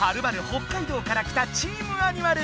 北海道から来たチームアニマル。